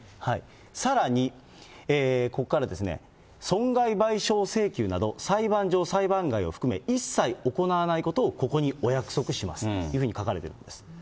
さらにここから、損害賠償請求など、裁判上・裁判外を含め一切行わないことをここにお約束しますというふうに書かれているんです。